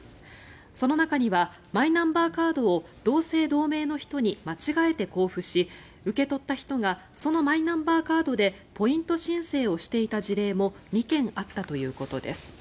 その中にはマイナンバーカードを同姓同名の人に間違えて交付し受け取った人がそのマイナンバーカードでポイント申請をしていた事例も２件あったということです。